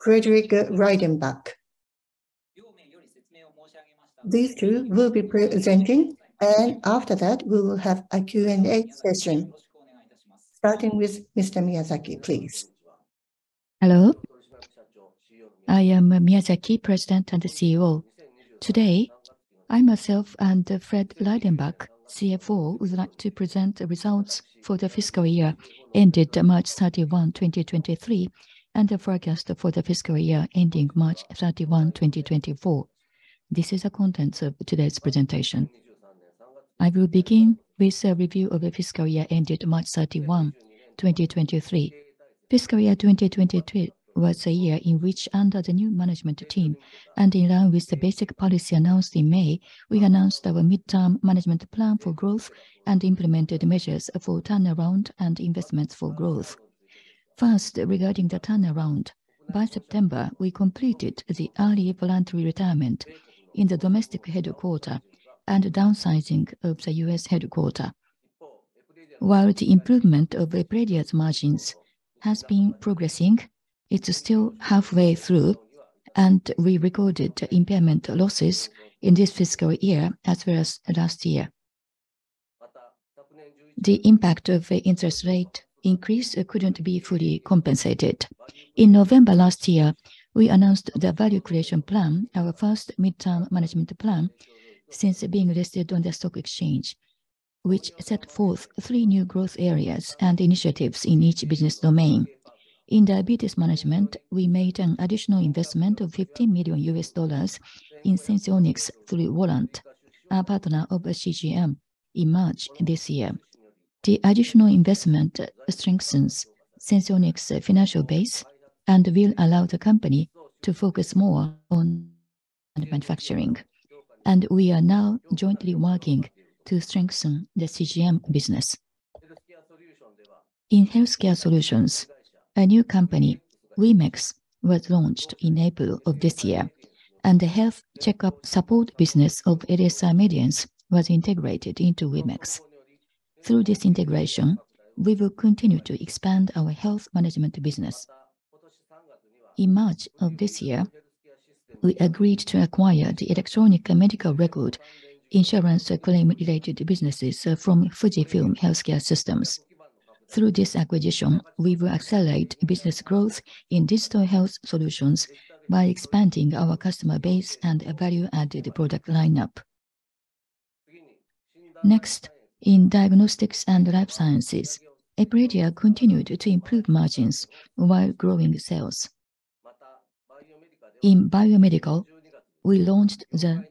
Frederick Reidenbach. These two will be presenting, and after that we will have a Q&A session. Starting with Mr. Miyazaki, please. Hello. I am Miyazaki, President and CEO. Today, I myself and Fred Reidenbach, CFO, would like to present the results for the fiscal year ended March 31, 2023, and the forecast for the fiscal year ending March 31, 2024. This is the contents of today's presentation. I will begin with a review of the fiscal year ended March 31, 2023. Fiscal year 2022 was a year in which under the new management team and in line with the basic policy announced in May, we announced our midterm management plan for growth and implemented measures for turnaround and investments for growth. First, regarding the turnaround, by September we completed the early voluntary retirement in the domestic headquarter and downsizing of the U.S. headquarter. While the improvement of Epredia's margins has been progressing, it's still halfway through, and we recorded impairment losses in this fiscal year as well as last year. The impact of the interest rate increase couldn't be fully compensated. In November last year, we announced the Value Creation Plan, our first midterm management plan since being listed on the stock exchange, which set forth three new growth areas and initiatives in each business domain. In diabetes management, we made an additional investment of $50 million in Senseonics through Warrant, our partner of CGM, in March this year. The additional investment strengthens Senseonics' financial base and will allow the company to focus more on manufacturing. We are now jointly working to strengthen the CGM business. In Healthcare Solutions, a new company, WEMEX, was launched in April of this year, and the health checkup support business of LSI Medience was integrated into WEMEX. Through this integration, we will continue to expand our health management business. In March of this year, we agreed to acquire the electronic medical record insurance claim related businesses from FUJIFILM Healthcare Systems. Through this acquisition, we will accelerate business growth in digital health solutions by expanding our customer base and value-added product lineup. In diagnostics and life sciences, Epredia continued to improve margins while growing sales. In Biomedical, we launched the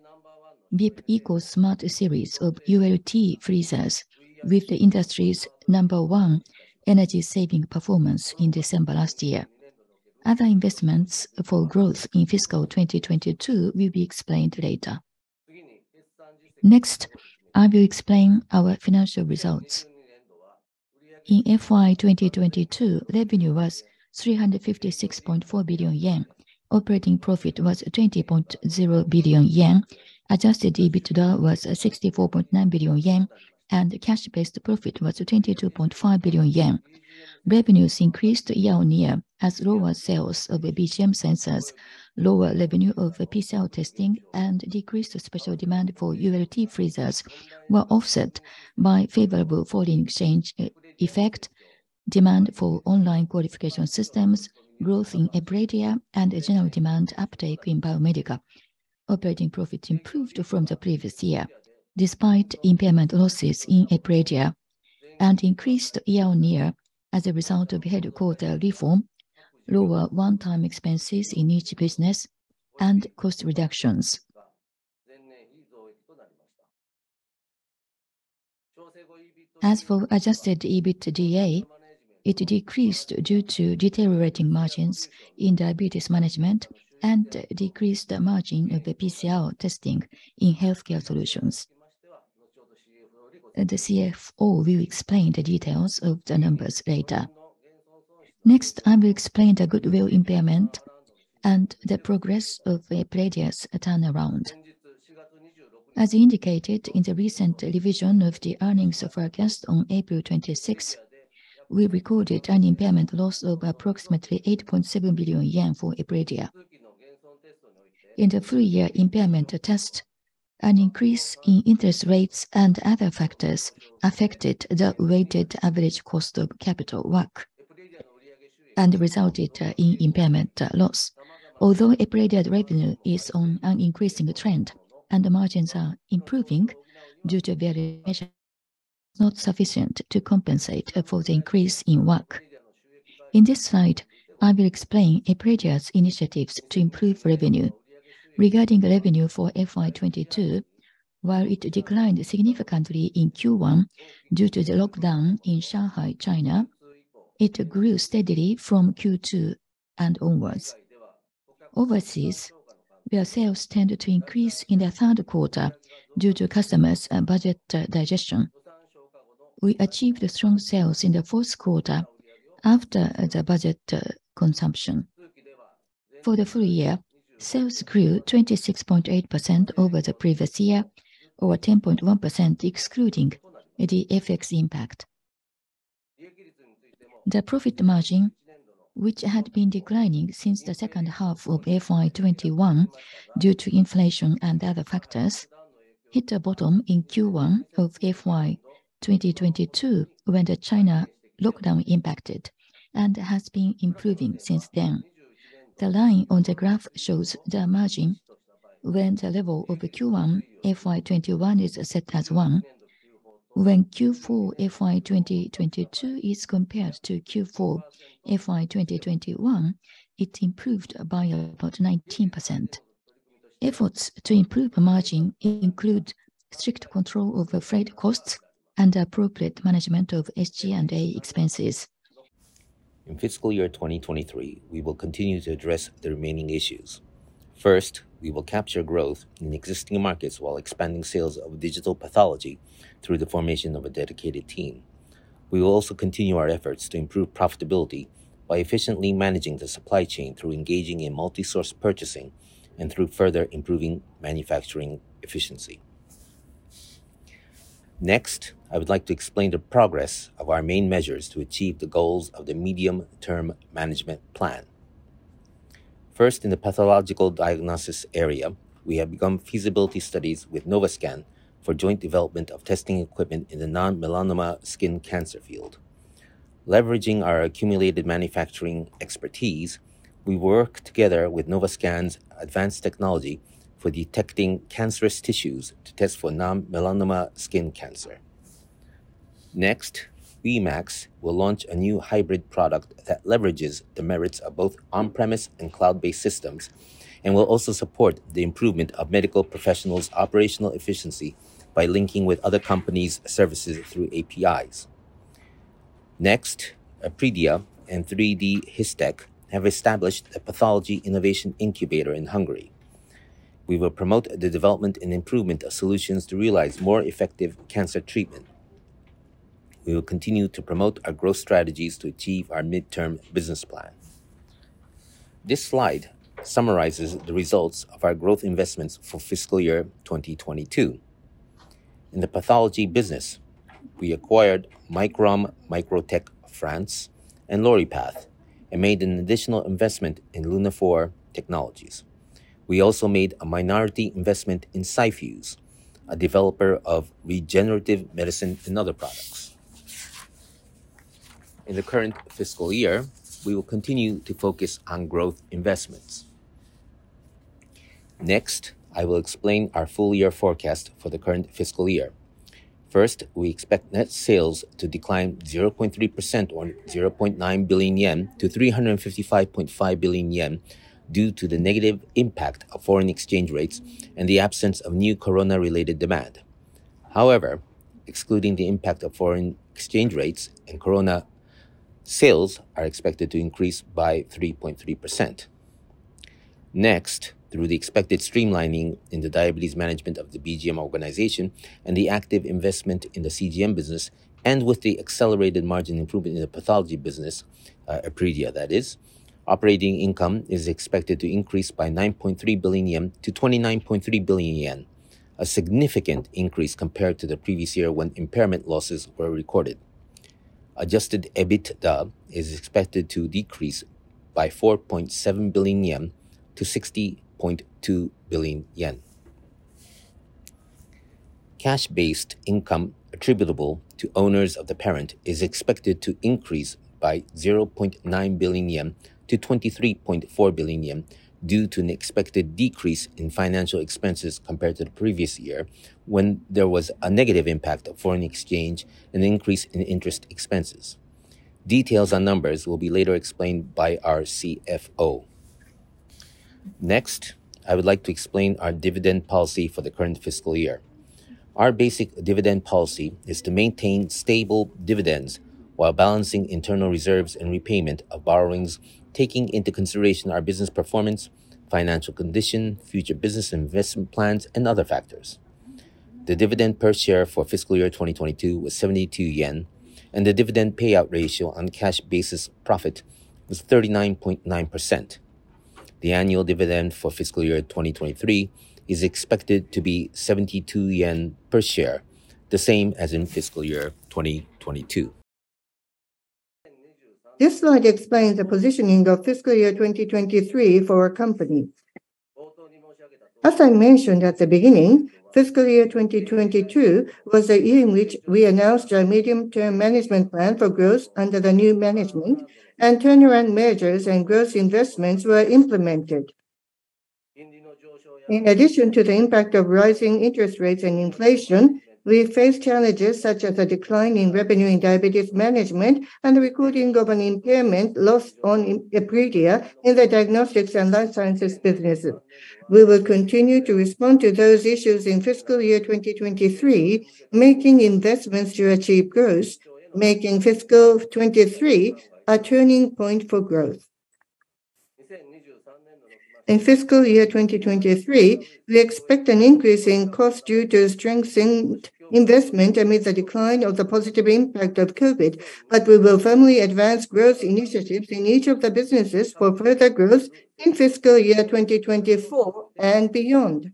VIP ECO SMART series of ULT freezers with the industry's number 1 energy-saving performance in December last year. Other investments for growth in fiscal 2022 will be explained later. I will explain our financial results. In FY 2022, revenue was 356.4 billion yen. Operating profit was 20.0 billion yen. Adjusted EBITDA was 64.9 billion yen, cash-based profit was 22.5 billion yen. Revenues increased year-over-year as lower sales of BGM sensors, lower revenue of PCR testing, and decreased special demand for ULT freezers were offset by favorable foreign exchange effect, demand for online qualification systems, growth in Epredia, and a general demand uptake in Biomedical. Operating profit improved from the previous year despite impairment losses in Epredia and increased year-over-year as a result of headquarter reform, lower one-time expenses in each business, and cost reductions. As for adjusted EBITDA, it decreased due to deteriorating margins in diabetes management and decreased margin of the PCR testing in Healthcare Solutions. The CFO will explain the details of the numbers later. I will explain the goodwill impairment and the progress of Epredia's turnaround. As indicated in the recent revision of the earnings forecast on April 26th, we recorded an impairment loss of approximately 80.7 billion yen for Epredia. In the full year impairment test, an increase in interest rates and other factors affected the weighted average cost of capital WACC, and resulted in impairment loss. Although Epredia's revenue is on an increasing trend and the margins are improving due to variation not sufficient to compensate for the increase in WACC. In this slide, I will explain Epredia's initiatives to improve revenue. Regarding revenue for FY 2022, while it declined significantly in Q1 due to the lockdown in Shanghai, China, it grew steadily from Q2 and onwards. Overseas, their sales tended to increase in the third quarter due to customers' budget digestion. We achieved strong sales in the fourth quarter after the budget consumption. For the full year, sales grew 26.8% over the previous year, or 10.1% excluding the FX impact. The profit margin, which had been declining since the second half of FY 2021 due to inflation and other factors, hit a bottom in Q1 of FY 2022 when the China lockdown impacted and has been improving since then. The line on the graph shows the margin when the level of Q1 FY 2021 is set as 1. When Q4 FY 2022 is compared to Q4 FY 2021, it improved by about 19%. Efforts to improve the margin include strict control over freight costs and appropriate management of SG&A expenses. In fiscal year 2023, we will continue to address the remaining issues. First, we will capture growth in existing markets while expanding sales of digital pathology through the formation of a dedicated team. We will also continue our efforts to improve profitability by efficiently managing the supply chain through engaging in multi-source purchasing and through further improving manufacturing efficiency. Next, I would like to explain the progress of our main measures to achieve the goals of the medium-term management plan. First, in the pathological diagnosis area, we have begun feasibility studies with NovaScan for joint development of testing equipment in the non-melanoma skin cancer field. Leveraging our accumulated manufacturing expertise, we work together with NovaScan's advanced technology for detecting cancerous tissues to test for non-melanoma skin cancer. Next, WEMEX will launch a new hybrid product that leverages the merits of both on-premise and cloud-based systems and will also support the improvement of medical professionals' operational efficiency by linking with other companies' services through APIs. Next, Epredia and 3DHISTECH have established a Pathology Innovation Incubator in Hungary. We will promote the development and improvement of solutions to realize more effective cancer treatment. We will continue to promote our growth strategies to achieve our midterm business plan. This slide summarizes the results of our growth investments for fiscal year 2022. In the pathology business, we acquired Microm Microtech France and Laurypath and made an additional investment in Lunaphore Technologies. We also made a minority investment in Cyfuse, a developer of regenerative medicine and other products. In the current fiscal year, we will continue to focus on growth investments. I will explain our full year forecast for the current fiscal year. First, we expect net sales to decline 0.3% or 0.9 billion yen to 355.5 billion yen due to the negative impact of foreign exchange rates and the absence of new corona-related demand. Excluding the impact of foreign exchange rates and corona, sales are expected to increase by 3.3%. Through the expected streamlining in the diabetes management of the BGM organization and the active investment in the CGM business, and with the accelerated margin improvement in the pathology business, Epredia that is, operating income is expected to increase by 9.3 billion yen to 29.3 billion yen, a significant increase compared to the previous year when impairment losses were recorded. Adjusted EBITDA is expected to decrease by 4.7 billion yen to 60.2 billion yen. Cash-based income attributable to owners of the parent is expected to increase by 0.9 billion yen to 23.4 billion yen due to an expected decrease in financial expenses compared to the previous year when there was a negative impact of foreign exchange and an increase in interest expenses. Details on numbers will be later explained by our CFO. I would like to explain our dividend policy for the current fiscal year. Our basic dividend policy is to maintain stable dividends while balancing internal reserves and repayment of borrowings, taking into consideration our business performance, financial condition, future business investment plans, and other factors. The dividend per share for fiscal year 2022 was 72 yen, and the dividend payout ratio on cash basis profit was 39.9%. The annual dividend for fiscal year 2023 is expected to be 72 yen per share, the same as in fiscal year 2022. This slide explains the positioning of fiscal year 2023 for our company. As I mentioned at the beginning, fiscal year 2022 was the year in which we announced our medium-term management plan for growth under the new management. Turnaround measures and growth investments were implemented. In addition to the impact of rising interest rates and inflation, we face challenges such as a decline in revenue in diabetes management and the recording of an impairment loss on Epredia in the diagnostics and life sciences business. We will continue to respond to those issues in fiscal year 2023, making investments to achieve growth, making fiscal 23 a turning point for growth. In fiscal year 2023, we expect an increase in cost due to strengthened investment amid the decline of the positive impact of COVID, but we will firmly advance growth initiatives in each of the businesses for further growth in fiscal year 2024 and beyond.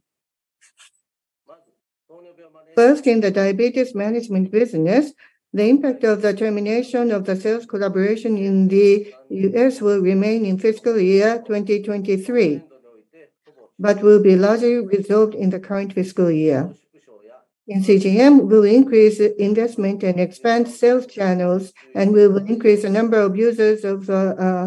First, in the diabetes management business, the impact of the termination of the sales collaboration in the U.S. will remain in fiscal year 2023, but will be largely resolved in the current fiscal year. In CGM, we'll increase investment and expand sales channels, and we will increase the number of users for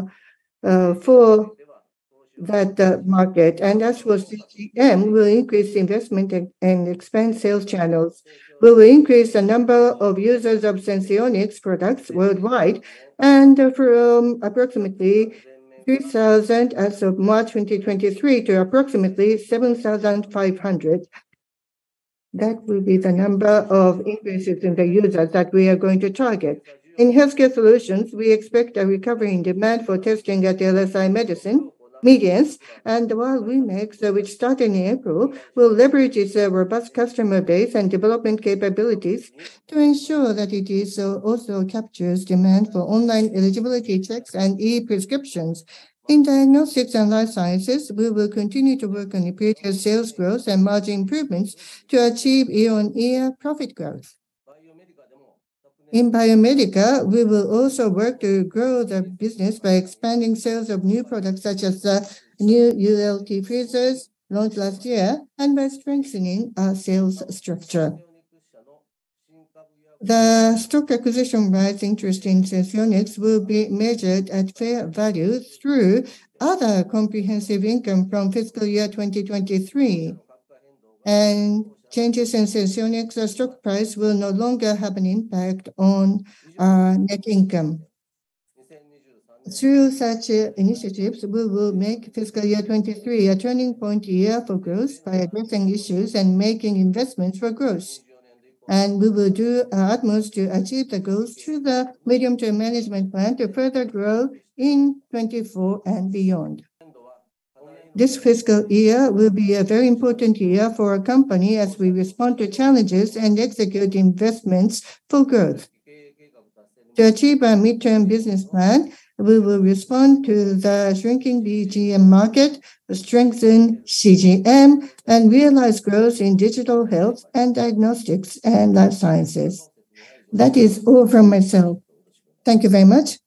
that market. As for CGM, we'll increase investment and expand sales channels. We will increase the number of users of Senseonics products worldwide and from approximately 3,000 as of March 2023 to approximately 7,500. That will be the number of increases in the users that we are going to target. In Healthcare Solutions, we expect a recovery in demand for testing at LSI Medience, and WEMEX, which started in April, will leverage its robust customer base and development capabilities to ensure that it also captures demand for online eligibility checks and ePrescriptions. In Diagnostics and Life Sciences, we will continue to work on Epredia sales growth and margin improvements to achieve year-on-year profit growth. In PHCbi, we will also work to grow the business by expanding sales of new products, such as the new ULT freezers launched last year, and by strengthening our sales structure. The stock acquisition rights interest in Senseonics will be measured at fair value through other comprehensive income from fiscal year 2023. Changes in Senseonics stock price will no longer have an impact on our net income. Through such initiatives, we will make fiscal year 2023 a turning point year for growth by addressing issues and making investments for growth. We will do our utmost to achieve the goals through the medium-term management plan to further grow in 2024 and beyond. This fiscal year will be a very important year for our company as we respond to challenges and execute investments for growth. To achieve our midterm business plan, we will respond to the shrinking BGM market, strengthen CGM, and realize growth in digital health and diagnostics and life sciences. That is all from myself. Thank you very much.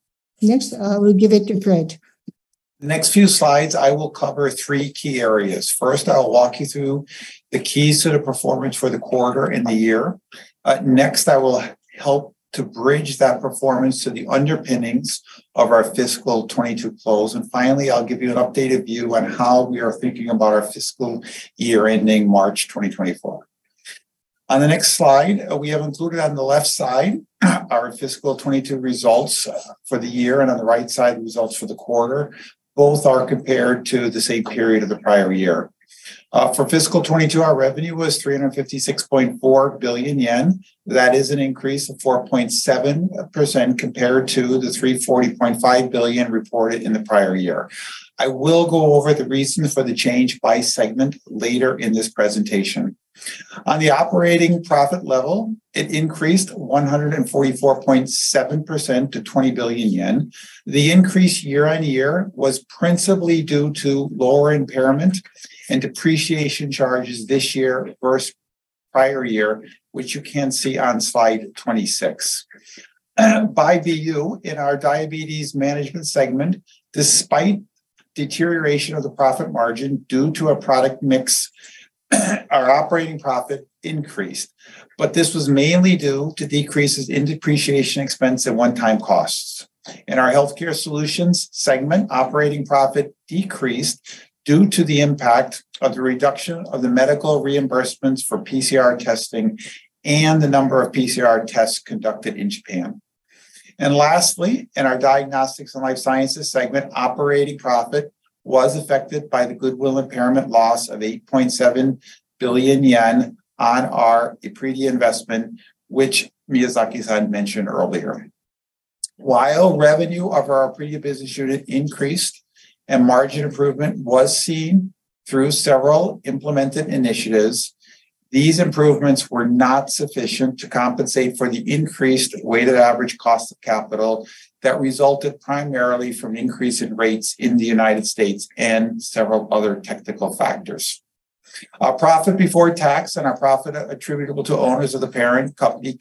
Next, I will give it to Fred. The next few slides, I will cover three key areas. First, I will walk you through the keys to the performance for the quarter and the year. Next, I will help to bridge that performance to the underpinnings of our fiscal 2022 close. Finally, I will give you an updated view on how we are thinking about our fiscal year ending March 2024. On the next slide, we have included on the left side our fiscal 2022 results for the year, and on the right side, results for the quarter. Both are compared to the same period of the prior year. For fiscal 2022, our revenue was 356.4 billion yen. That is an increase of 4.7% compared to the 340.5 billion reported in the prior year. I will go over the reason for the change by segment later in this presentation. On the operating profit level, it increased 144.7% to 20 billion yen. The increase year-on-year was principally due to lower impairment and depreciation charges this year versus prior year, which you can see on slide 26. By VU, in our Diabetes Management segment, despite deterioration of the profit margin due to a product mix, our operating profit increased, but this was mainly due to decreases in depreciation expense at one-time costs. In our Healthcare Solutions segment, operating profit decreased due to the impact of the reduction of the medical reimbursements for PCR testing and the number of PCR tests conducted in Japan. Lastly, in our Diagnostics and Life Sciences segment, operating profit was affected by the goodwill impairment loss of 8.7 billion yen on our Epredia investment, which Miyazaki-san mentioned earlier. While revenue of our Epredia business unit increased and margin improvement was seen through several implemented initiatives, these improvements were not sufficient to compensate for the increased weighted average cost of capital that resulted primarily from increase in rates in the United States and several other technical factors. Our profit before tax and our profit attributable to owners of the parent company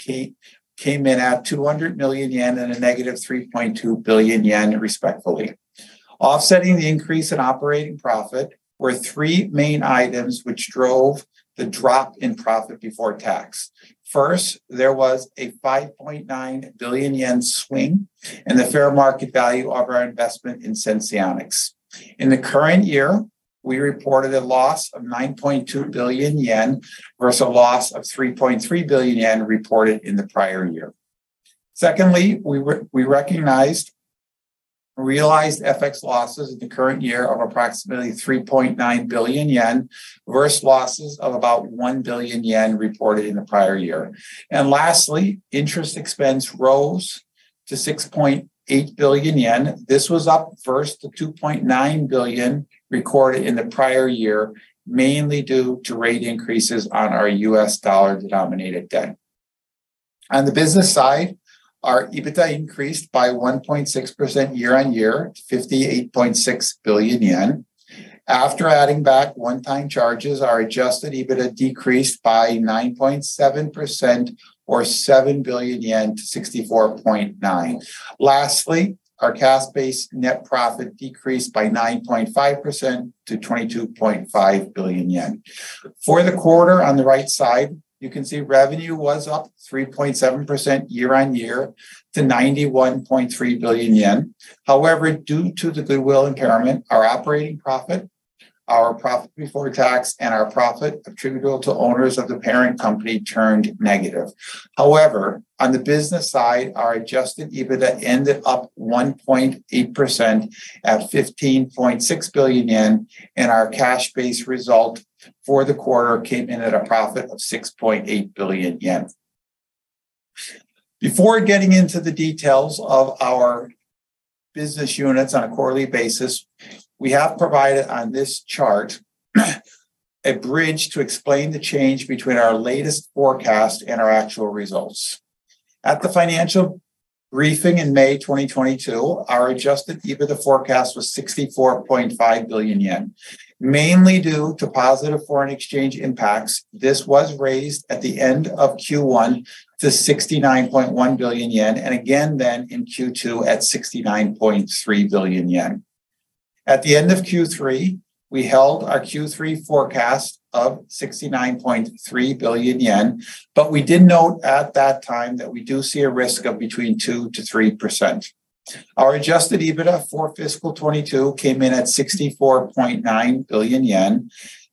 came in at 200 million yen and a negative 3.2 billion yen, respectfully. Offsetting the increase in operating profit were three main items which drove the drop in profit before tax. First, there was a 5.9 billion yen swing in the fair market value of our investment in Senseonics. In the current year, we reported a loss of 9.2 billion yen versus a loss of 3.3 billion yen reported in the prior year. Secondly, we recognized realized FX losses in the current year of approximately 3.9 billion yen versus losses of about 1 billion yen reported in the prior year. Lastly, interest expense rose to 6.8 billion yen. This was up versus the 2.9 billion recorded in the prior year, mainly due to rate increases on our US dollar-denominated debt. On the business side, our EBITDA increased by 1.6% year-on-year, 58.6 billion yen. After adding back one-time charges, our adjusted EBITDA decreased by 9.7% or 7 billion yen to 64.9 billion. Our cash-based net profit decreased by 9.5% to 22.5 billion yen. For the quarter, on the right side, you can see revenue was up 3.7% year-over-year to 91.3 billion yen. Due to the goodwill impairment, our operating profit, our profit before tax, and our profit attributable to owners of the parent company turned negative. On the business side, our adjusted EBITDA ended up 1.8% at 15.6 billion yen, and our cash-based result for the quarter came in at a profit of 6.8 billion yen. Before getting into the details of our business units on a quarterly basis, we have provided on this chart a bridge to explain the change between our latest forecast and our actual results. At the financial briefing in May 2022, our adjusted EBITDA forecast was 64.5 billion yen. Mainly due to positive foreign exchange impacts, this was raised at the end of Q1 to 69.1 billion yen again then in Q2 at 69.3 billion yen. At the end of Q3, we held our Q3 forecast of 69.3 billion yen, we did note at that time that we do see a risk of between 2%-3%. Our adjusted EBITDA for fiscal 2022 came in at 64.9 billion yen,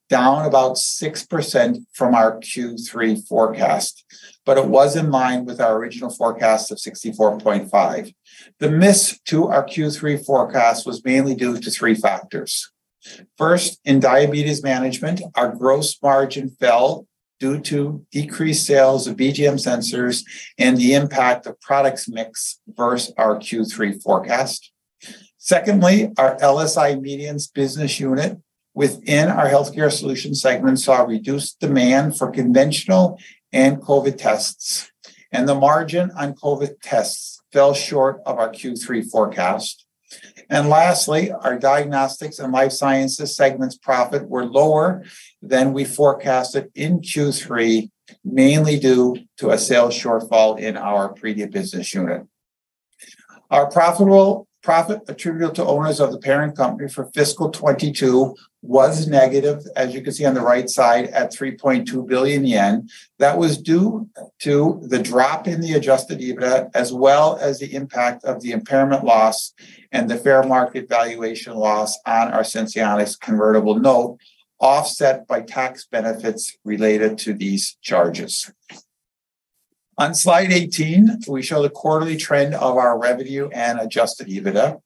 down about 6% from our Q3 forecast. It was in line with our original forecast of 64.5 billion. The miss to our Q3 forecast was mainly due to three factors. First, in Diabetes Management, our gross margin fell due to decreased sales of BGM sensors and the impact of products mix versus our Q3 forecast. Secondly, our LSI Medience business unit within our Healthcare Solutions segment saw reduced demand for conventional and COVID tests, and the margin on COVID tests fell short of our Q3 forecast. Lastly, our Diagnostics and Life Sciences segments profit were lower than we forecasted in Q3, mainly due to a sales shortfall in our previous business unit. Our profitable profit attributable to owners of the parent company for fiscal 2022 was negative, as you can see on the right side, at 3.2 billion yen. That was due to the drop in the adjusted EBITDA, as well as the impact of the impairment loss and the fair market valuation loss on our Senseonics convertible note, offset by tax benefits related to these charges. On slide 18, we show the quarterly trend of our revenue and adjusted EBITDA.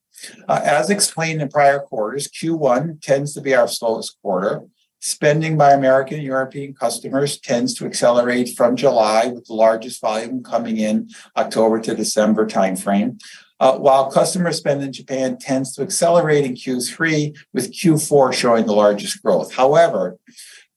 As explained in prior quarters, Q1 tends to be our slowest quarter. Spending by American and European customers tends to accelerate from July, with the largest volume coming in October to December timeframe. While customer spend in Japan tends to accelerate in Q3, with Q4 showing the largest growth.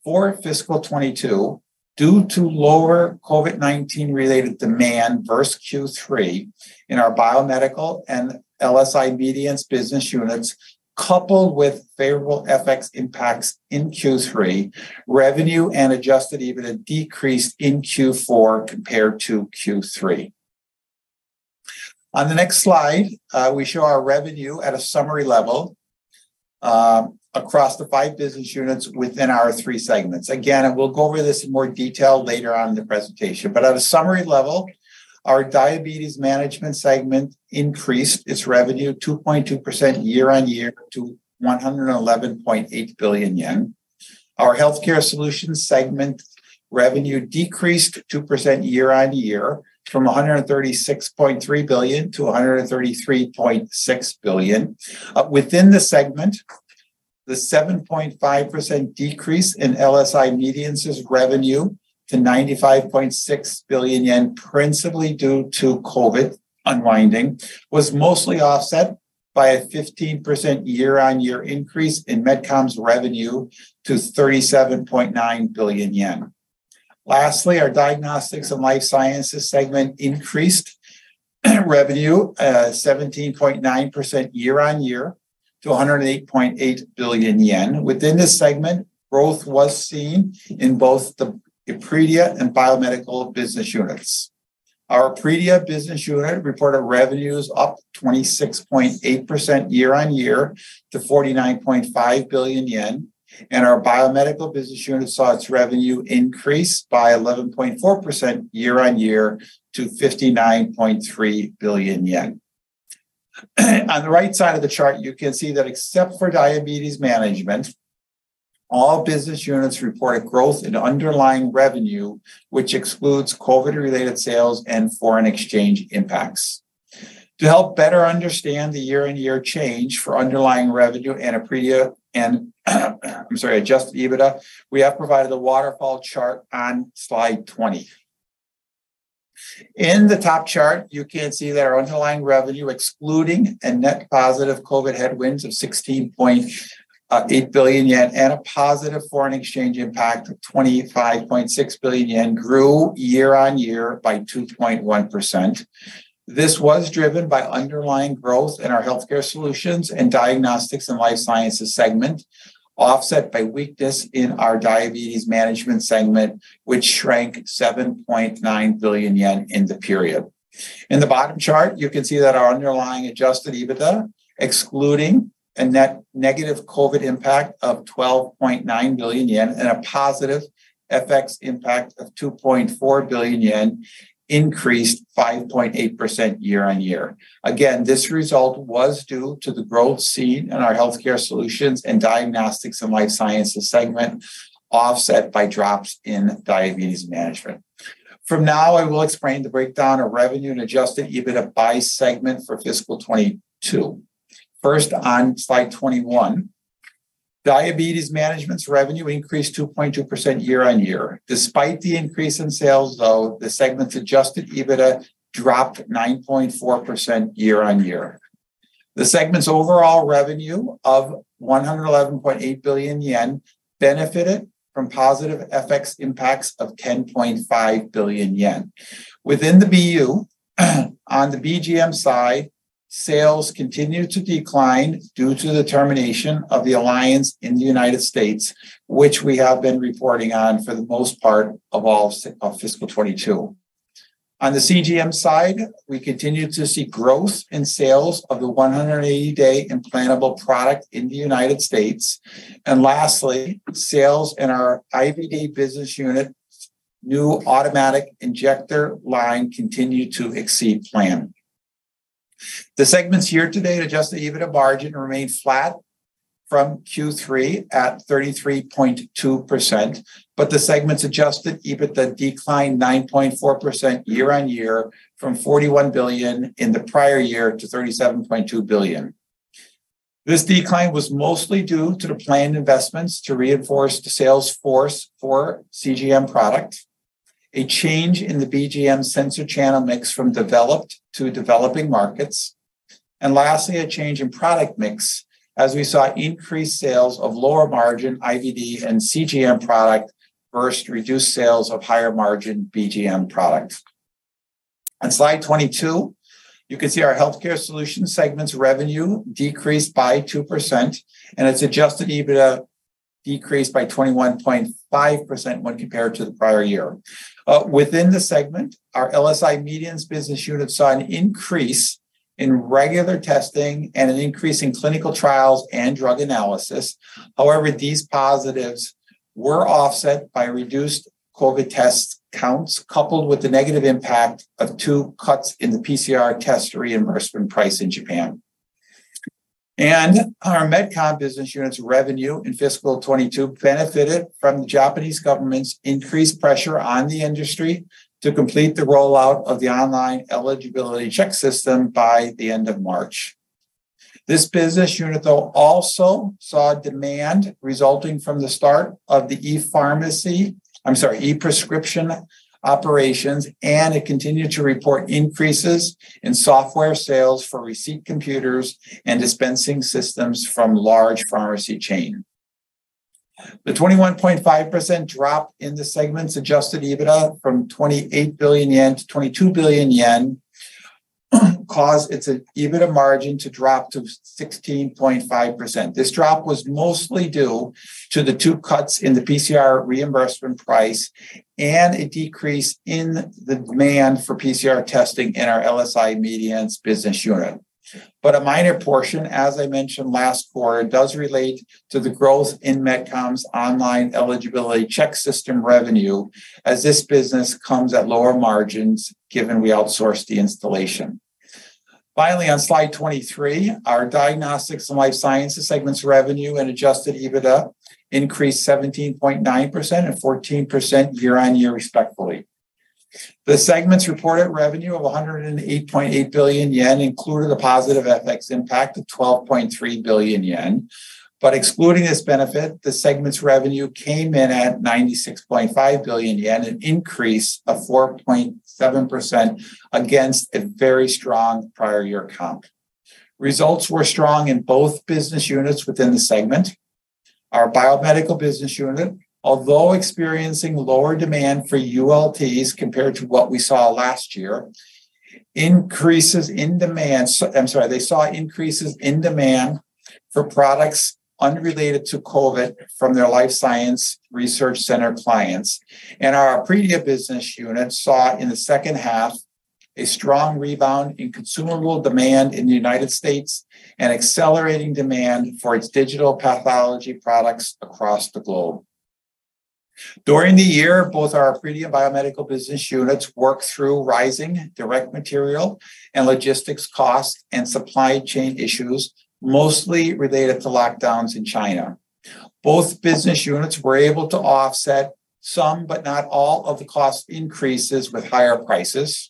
For fiscal 2022, due to lower COVID-19 related demand versus Q3 in our Biomedical and LSI Medience business units, coupled with favorable FX impacts in Q3, revenue and adjusted EBITDA decreased in Q4 compared to Q3. On the next slide, we show our revenue at a summary level across the 5 business units within our 3 segments. Again, we'll go over this in more detail later on in the presentation. At a summary level, our Diabetes Management segment increased its revenue 2.2% year-on-year to 111.8 billion yen. Our Healthcare Solutions segment revenue decreased 2% year-on-year from 136.3 billion to 133.6 billion. Within the segment, the 7.5% decrease in LSI Medience' revenue to 95.6 billion yen, principally due to COVID unwinding, was mostly offset by a 15% year-on-year increase in Medicom's revenue to 37.9 billion yen. Lastly, our Diagnostics and Life Sciences segment increased revenue 17.9% year-on-year to 108.8 billion yen. Within this segment, growth was seen in both the Epredia and Biomedical business units. Our Epredia business unit reported revenues up 26.8% year-on-year to 49.5 billion yen, and our Biomedical business unit saw its revenue increase by 11.4% year-on-year to 59.3 billion yen. On the right side of the chart, you can see that except for Diabetes Management, all business units reported growth in underlying revenue, which excludes COVID-related sales and foreign exchange impacts. To help better understand the year-on-year change for underlying revenue and Epredia and, I'm sorry, adjusted EBITDA, we have provided a waterfall chart on slide 20. In the top chart, you can see that our underlying revenue, excluding a net positive COVID headwinds of 16.8 billion yen and a positive foreign exchange impact of 25.6 billion yen grew year-on-year by 2.1%. This was driven by underlying growth in our healthcare solutions and diagnostics and life sciences segment, offset by weakness in our diabetes management segment, which shrank 7.9 billion yen in the period. In the bottom chart, you can see that our underlying adjusted EBITDA, excluding a net negative COVID impact of 12.9 billion yen and a positive FX impact of 2.4 billion yen, increased 5.8% year-on-year. This result was due to the growth seen in our healthcare solutions and diagnostics and life sciences segment, offset by drops in diabetes management. I will explain the breakdown of revenue and adjusted EBITDA by segment for fiscal 2022. On slide 21, diabetes management's revenue increased 2.2% year-on-year. Despite the increase in sales, though, the segment's adjusted EBITDA dropped 9.4% year-on-year. The segment's overall revenue of 111.8 billion yen benefited from positive FX impacts of 10.5 billion yen. Within the BU, on the BGM side, sales continued to decline due to the termination of the alliance in the United States, which we have been reporting on for the most part of all of fiscal 2022. On the CGM side, we continued to see growth in sales of the 180-day implantable product in the United States. Lastly, sales in our IVD business unit new automatic injector line continued to exceed plan. The segment's year-to-date adjusted EBITDA margin remained flat from Q3 at 33.2%, but the segment's adjusted EBITDA declined 9.4% year-on-year from 41 billion in the prior year to 37.2 billion. This decline was mostly due to the planned investments to reinforce the sales force for CGM product, a change in the BGM sensor channel mix from developed to developing markets, and lastly, a change in product mix as we saw increased sales of lower margin IVD and CGM product versus reduced sales of higher margin BGM product. On slide 22, you can see our healthcare solutions segment's revenue decreased by 2%, and its adjusted EBITDA decreased by 21.5% when compared to the prior year. Within the segment, our LSI Medience business unit saw an increase in regular testing and an increase in clinical trials and drug analysis. However, these positives were offset by reduced COVID test counts coupled with the negative impact of two cuts in the PCR test reimbursement price in Japan. Our MedCom business unit's revenue in fiscal 2022 benefited from the Japanese government's increased pressure on the industry to complete the rollout of the online eligibility verification system by the end of March. This business unit, though, also saw demand resulting from the start of the ePrescription operations, and it continued to report increases in software sales for receipt computers and dispensing systems from large pharmacy chain. The 21.5% drop in the segment's adjusted EBITDA from 28 billion yen to 22 billion yen caused its EBITDA margin to drop to 16.5%. This drop was mostly due to the two cuts in the PCR reimbursement price and a decrease in the demand for PCR testing in our LSI Medience business unit. A minor portion, as I mentioned last quarter, does relate to the growth in Medicom's online eligibility verification system revenue as this business comes at lower margins given we outsource the installation. Finally, on slide 23, our Diagnostics and Life Sciences segment's revenue and adjusted EBITDA increased 17.9% and 14% year-on-year respectively. The segment's reported revenue of 108.8 billion yen included a positive FX impact of 12.3 billion yen. Excluding this benefit, the segment's revenue came in at 96.5 billion yen, an increase of 4.7% against a very strong prior year comp. Results were strong in both business units within the segment. Our Biomedical business unit, although experiencing lower demand for ULTs compared to what we saw last year, increases in demand, I'm sorry, they saw increases in demand for products unrelated to COVID from their life science research center clients. Our Epredia business unit saw in the second half a strong rebound in consumable demand in the United States and accelerating demand for its digital pathology products across the globe. During the year, both our Epredia Biomedical business units worked through rising direct material and logistics costs and supply chain issues, mostly related to lockdowns in China. Both business units were able to offset some but not all of the cost increases with higher prices.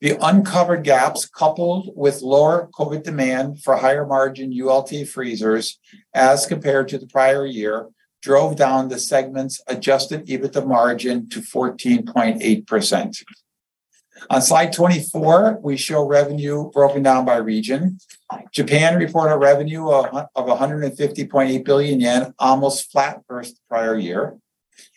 The uncovered gaps coupled with lower COVID demand for higher margin ULT freezers as compared to the prior year drove down the segment's adjusted EBITDA margin to 14.8%. On slide 24, we show revenue broken down by region. Japan reported a revenue of 150.8 billion yen, almost flat versus prior year.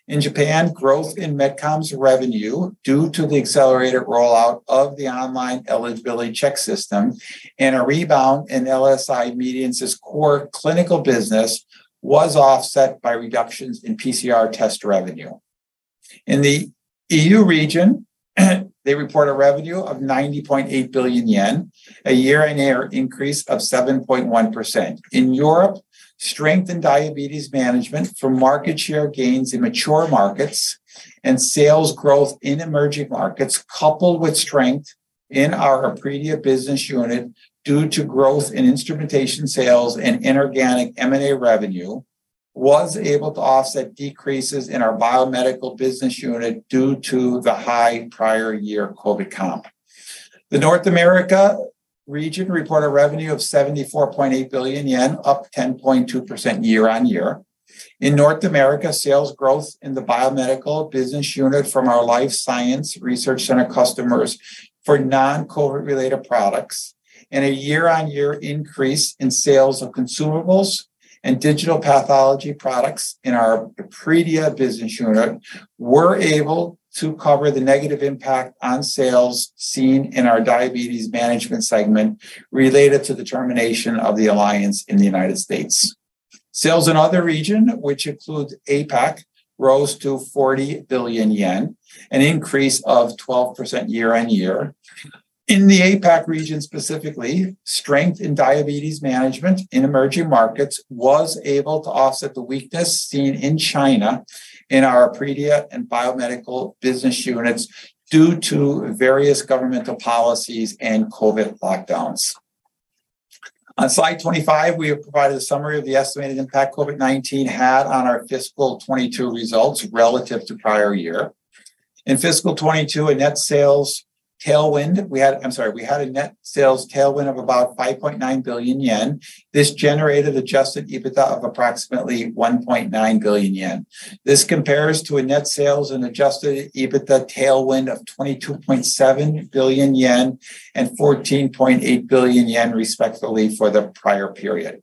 In Japan, growth in Medicom's revenue due to the accelerated rollout of the online eligibility verification system and a rebound in LSI Medience's core clinical business was offset by reductions in PCR test revenue. In the EU region, they report a revenue of 90.8 billion yen, a year-on-year increase of 7.1%. In Europe, strength in diabetes management from market share gains in mature markets and sales growth in emerging markets, coupled with strength in our Epredia business unit due to growth in instrumentation sales and inorganic M&A revenue, was able to offset decreases in our Biomedical business unit due to the high prior year COVID comp. The North America region reported revenue of 74.8 billion yen, up 10.2% year-on-year. In North America, sales growth in the Biomedical business unit from our life science research center customers for non-COVID-related products and a year-on-year increase in sales of consumables and digital pathology products in our Epredia business unit were able to cover the negative impact on sales seen in our diabetes management segment related to the termination of the alliance in the United States. Sales in other region, which includes APAC, rose to 40 billion yen, an increase of 12% year-on-year. In the APAC region specifically, strength in diabetes management in emerging markets was able to offset the weakness seen in China in our Epredia and biomedical business units due to various governmental policies and COVID lockdowns. On slide 25, we have provided a summary of the estimated impact COVID-19 had on our fiscal 22 results relative to prior year. In fiscal 22, a net sales tailwind I'm sorry, we had a net sales tailwind of about 5.9 billion yen. This generated adjusted EBITDA of approximately 1.9 billion yen. This compares to a net sales and adjusted EBITDA tailwind of 22.7 billion yen and 14.8 billion yen, respectively, for the prior period.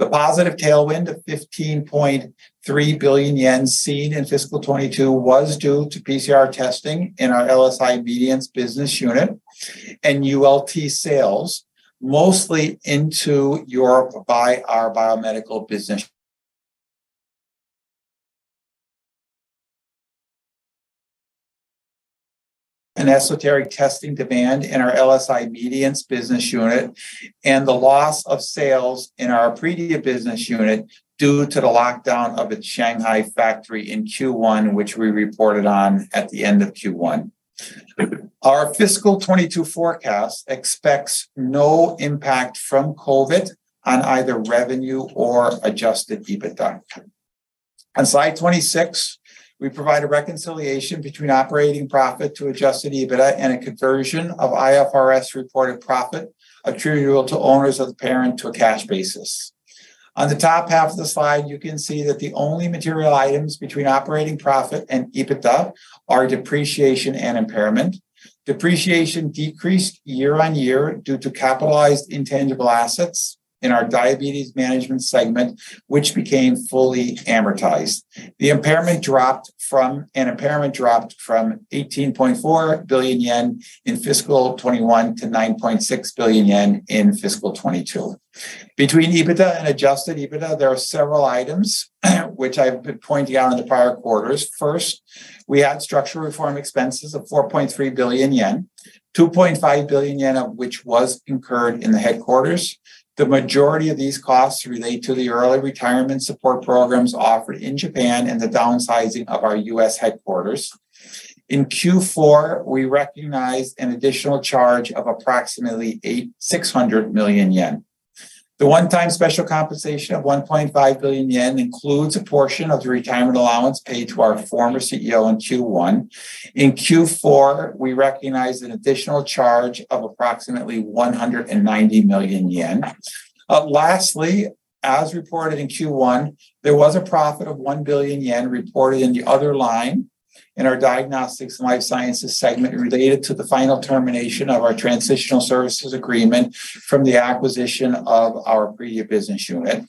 The positive tailwind of 15.3 billion yen seen in fiscal 2022 was due to PCR testing in our LSI Medience business unit and ULT sales, mostly into Europe by our Biomedical business. An esoteric testing demand in our LSI Medience business unit and the loss of sales in our Epredia business unit due to the lockdown of its Shanghai factory in Q1, which we reported on at the end of Q1. Our fiscal 2022 forecast expects no impact from COVID on either revenue or adjusted EBITDA. On slide 26, we provide a reconciliation between operating profit to adjusted EBITDA and a conversion of IFRS reported profit attributable to owners of the parent to a cash basis. On the top half of the slide, you can see that the only material items between operating profit and EBITDA are depreciation and impairment. Depreciation decreased year-over-year due to capitalized intangible assets in our diabetes management segment, which became fully amortized. An impairment dropped from 18.4 billion yen in fiscal 2021 to 9.6 billion yen in fiscal 2022. Between EBITDA and adjusted EBITDA, there are several items which I've been pointing out in the prior quarters. First, we had structural reform expenses of 4.3 billion yen, 2.5 billion yen of which was incurred in the headquarters. The majority of these costs relate to the early retirement support programs offered in Japan and the downsizing of our U.S. headquarters. In Q4, we recognized an additional charge of approximately 600 million yen. The one-time special compensation of 1.5 billion yen includes a portion of the retirement allowance paid to our former CEO in Q1. In Q4, we recognized an additional charge of approximately 190 million yen. Lastly, as reported in Q1, there was a profit of 1 billion yen reported in the other line in our diagnostics and life sciences segment related to the final termination of our transitional services agreement from the acquisition of our Apria business unit.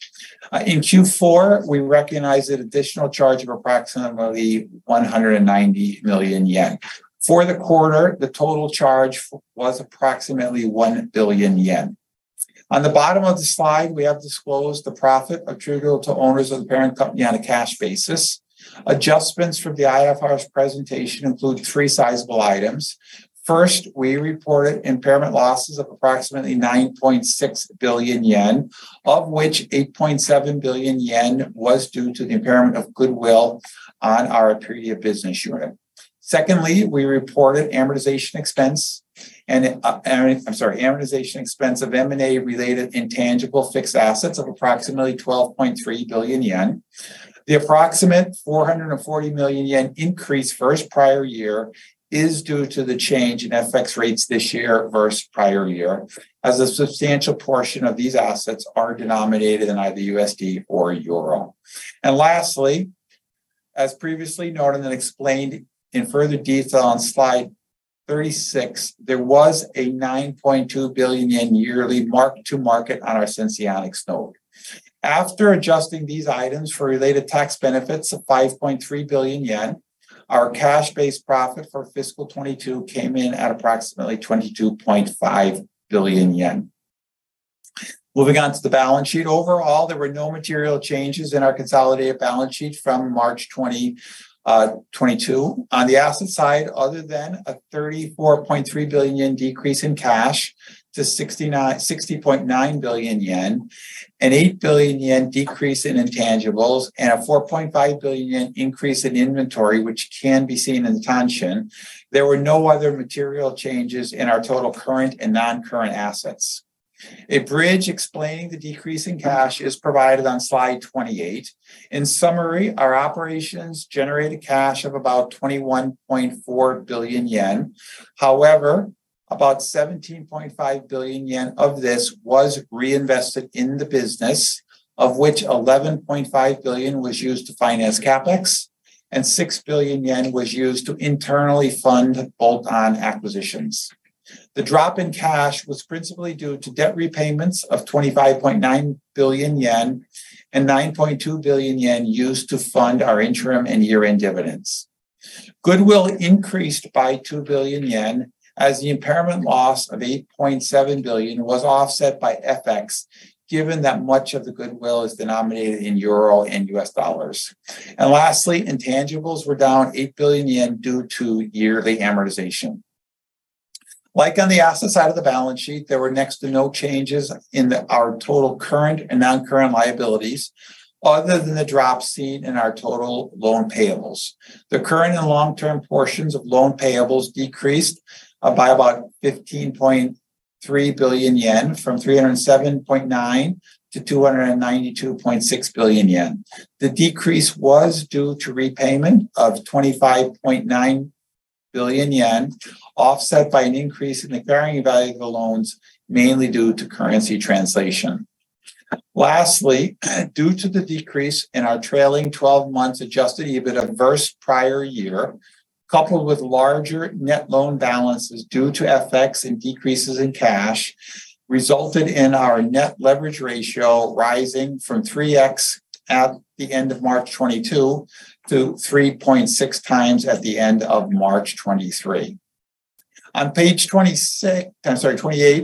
In Q4, we recognized an additional charge of approximately 190 million yen. For the quarter, the total charge was approximately 1 billion yen. On the bottom of the slide, we have disclosed the profit attributable to owners of the parent company on a cash basis. Adjustments from the IFRS presentation include three sizable items. First, we reported impairment losses of approximately 9.6 billion yen, of which 8.7 billion yen was due to the impairment of goodwill on our Apria business unit. Secondly, we reported amortization expense of M&A-related intangible fixed assets of approximately 12.3 billion yen. The approximate 440 million yen increase versus prior year is due to the change in FX rates this year versus prior year, as a substantial portion of these assets are denominated in either USD or EUR. Lastly, as previously noted and explained in further detail on slide 36, there was a 9.2 billion yen yearly mark-to-market on our Senseonics note. After adjusting these items for related tax benefits of 5.3 billion yen, our cash-based profit for fiscal 2022 came in at approximately 22.5 billion yen. Moving on to the balance sheet. Overall, there were no material changes in our consolidated balance sheet from March 2022. On the asset side, other than a 34.3 billion yen decrease in cash to 60.9 billion yen, a 8 billion yen decrease in intangibles, and a 4.5 billion yen increase in inventory, which can be seen in Tanshin, there were no other material changes in our total current and non-current assets. A bridge explaining the decrease in cash is provided on slide 28. In summary, our operations generated cash of about 21.4 billion yen. About 17.5 billion yen of this was reinvested in the business, of which 11.5 billion was used to finance CapEx, and 6 billion yen was used to internally fund bolt-on acquisitions. The drop in cash was principally due to debt repayments of 25.9 billion yen and 9.2 billion yen used to fund our interim and year-end dividends. Goodwill increased by 2 billion yen as the impairment loss of 8.7 billion was offset by FX, given that much of the goodwill is denominated in EUR and USD. Lastly, intangibles were down 8 billion yen due to yearly amortization. Like on the asset side of the balance sheet, there were next to no changes in our total current and non-current liabilities other than the drop seen in our total loan payables. The current and long-term portions of loan payables decreased by about 15.3 billion yen, from 307.9 billion to 292.6 billion yen. The decrease was due to repayment of 25.9 billion yen, offset by an increase in the carrying value of the loans, mainly due to currency translation. Due to the decrease in our trailing 12 months adjusted EBITDA versus prior year, coupled with larger net loan balances due to FX and decreases in cash, resulted in our net leverage ratio rising from 3x at the end of March 2022 to 3.6x at the end of March 2023. On page 28,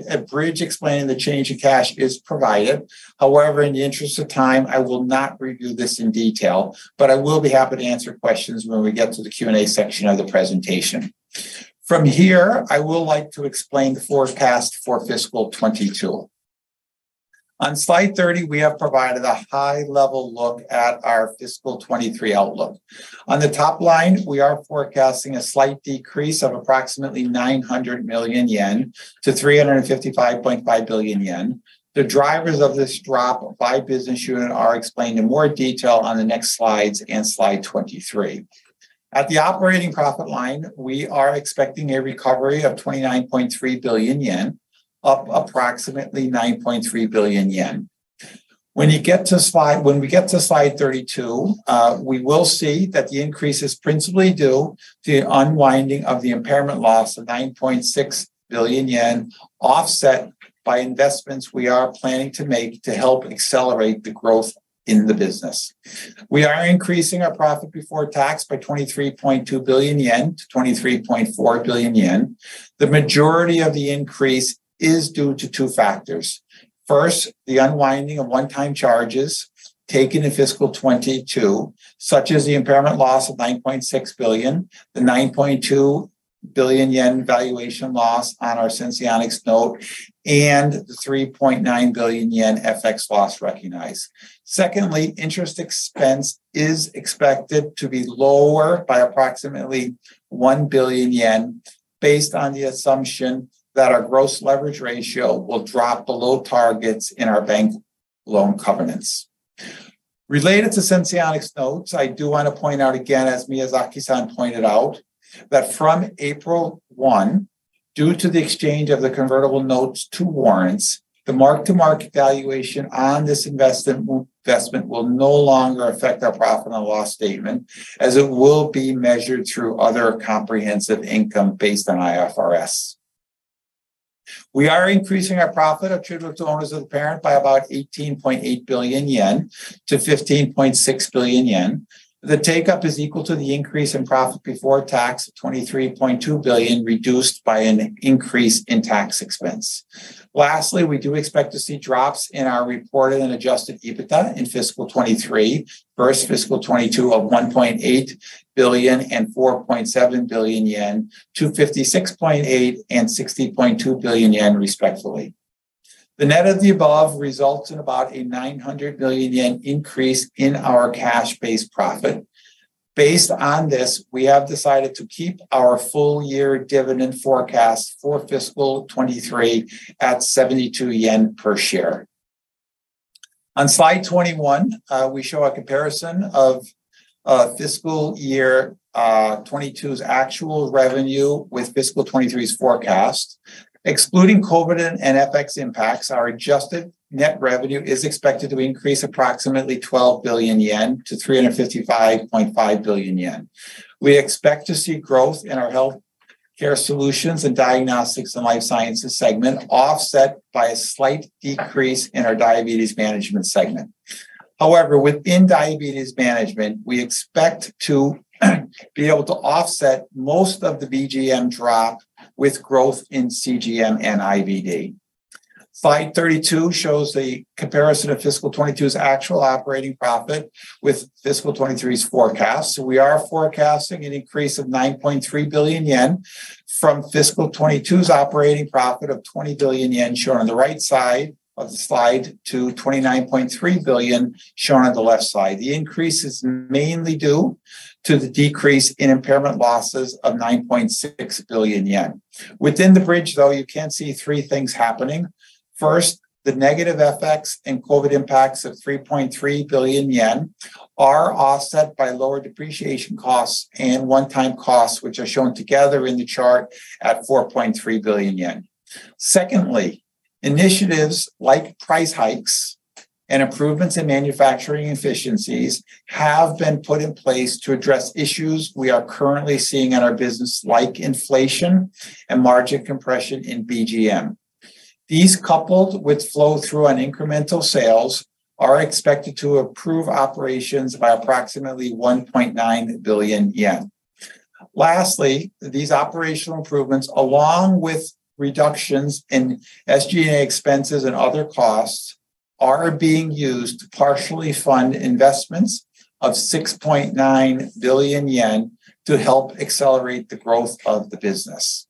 a bridge explaining the change in cash is provided. In the interest of time, I will not review this in detail, but I will be happy to answer questions when we get to the Q&A section of the presentation. I will like to explain the forecast for fiscal 2022. On slide 30, we have provided a high-level look at our fiscal 2023 outlook. On the top line, we are forecasting a slight decrease of approximately 900 million yen to 355.5 billion yen. The drivers of this drop by business unit are explained in more detail on the next slides and slide 23. At the operating profit line, we are expecting a recovery of 29.3 billion yen, up approximately 9.3 billion yen. When we get to slide 32, we will see that the increase is principally due to the unwinding of the impairment loss of 9.6 billion yen, offset by investments we are planning to make to help accelerate the growth in the business. We are increasing our profit before tax by 23.2 billion yen to 23.4 billion yen. The majority of the increase is due to two factors. First, the unwinding of one-time charges taken in fiscal 2022, such as the impairment loss of 9.6 billion, the 9.2 billion yen valuation loss on our Senseonics note, and the 3.9 billion yen FX loss recognized. Secondly, interest expense is expected to be lower by approximately 1 billion yen based on the assumption that our gross leverage ratio will drop below targets in our bank loan covenants. Related to Senseonics notes, I do want to point out again, as Miyazaki-san pointed out, that from April 1, due to the exchange of the convertible notes to warrants, the mark-to-market valuation on this investment will no longer affect our profit and loss statement, as it will be measured through other comprehensive income based on IFRS. We are increasing our profit attributable to owners of the parent by about 18.8 billion yen to 15.6 billion yen. The take-up is equal to the increase in profit before tax, 23.2 billion, reduced by an increase in tax expense. We do expect to see drops in our reported and adjusted EBITA in fiscal 2023 versus fiscal 2022 of 1.8 billion and 4.7 billion yen to 56.8 billion and 60.2 billion yen, respectively. The net of the above results in about a 900 billion yen increase in our cash-based profit. Based on this, we have decided to keep our full-year dividend forecast for fiscal 2023 at 72 yen per share. On slide 21, we show a comparison of fiscal year 2022's actual revenue with fiscal 2023's forecast. Excluding COVID and FX impacts, our adjusted net revenue is expected to increase approximately 12 billion yen to 355.5 billion yen. We expect to see growth in our Healthcare Solutions and Diagnostics and Life Sciences segment offset by a slight decrease in our Diabetes Management segment. However, within Diabetes Management, we expect to be able to offset most of the BGM drop with growth in CGM and IVD. Slide 32 shows the comparison of fiscal 2022's actual operating profit with fiscal 2023's forecast. We are forecasting an increase of 9.3 billion yen from fiscal 2022's operating profit of 20 billion yen shown on the right side of the slide to 29.3 billion shown on the left side. The increase is mainly due to the decrease in impairment losses of 9.6 billion yen. Within the bridge though, you can see three things happening. First, the negative effects and COVID impacts of 3.3 billion yen are offset by lower depreciation costs and one-time costs, which are shown together in the chart at 4.3 billion yen. Secondly, initiatives like price hikes and improvements in manufacturing efficiencies have been put in place to address issues we are currently seeing in our business, like inflation and margin compression in BGM. These, coupled with flow-through on incremental sales, are expected to improve operations by approximately 1.9 billion yen. Lastly, these operational improvements, along with reductions in SG&A expenses and other costs, are being used to partially fund investments of 6.9 billion yen to help accelerate the growth of the business.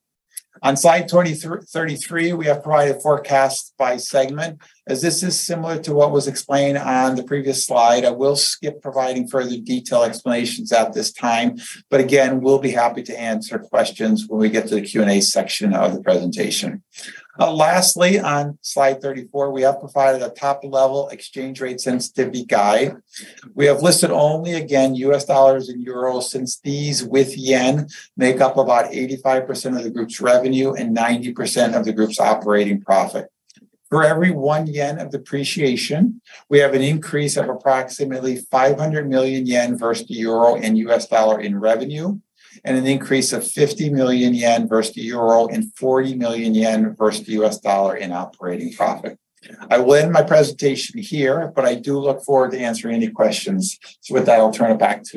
On slide 33, we have provided a forecast by segment. As this is similar to what was explained on the previous slide, I will skip providing further detailed explanations at this time, but again, we'll be happy to answer questions when we get to the Q&A section of the presentation. Lastly, on Slide 34, we have provided a top-level exchange rate sensitivity guide. We have listed only, again, U.S. dollars and euros, since these with yen make up about 85% of the group's revenue and 90% of the group's operating profit. For every 1 yen of depreciation, we have an increase of approximately 500 million yen versus the euro and U.S. dollar in revenue, and an increase of 50 million yen versus the euro and 40 million yen versus the U.S. dollar in operating profit. I will end my presentation here, but I do look forward to answering any questions. With that, I'll turn it back to.